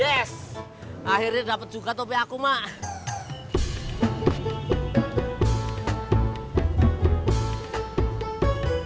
yes akhirnya dapet juga topi aku mak